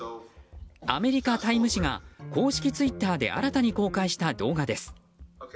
アメリカ「タイム」誌が公式ツイッターで新たに公開した動画です。